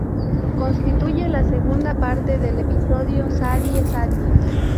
Constituye la segunda parte del episodio Sadie, Sadie.